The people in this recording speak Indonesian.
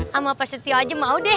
sama pak setio aja mau deh